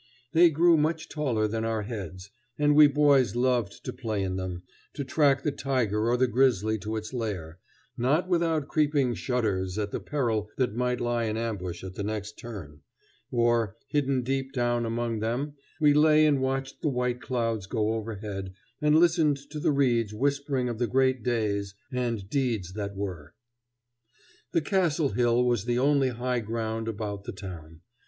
They grew much taller than our heads, and we boys loved to play in them, to track the tiger or the grizzly to its lair, not without creeping shudders at the peril that might lie in ambush at the next turn; or, hidden deep down among them, we lay and watched the white clouds go overhead and listened to the reeds whispering of the great days and deeds that were. [Illustration: Ribe, from the Castle Hill.] The castle hill was the only high ground about the town.